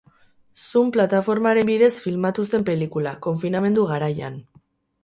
Zoom plataformaren bidez filmatu zen pelikula, konfinamendu garaian.